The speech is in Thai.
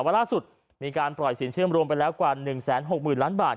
ว่าล่าสุดมีการปล่อยสินเชื่อมรวมไปแล้วกว่า๑๖๐๐๐ล้านบาท